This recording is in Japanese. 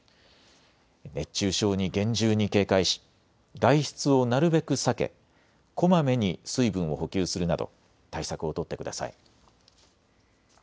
熱中症に厳重に警戒し外出をなるべく避けこまめに水分を補給するなど対策を取ってください。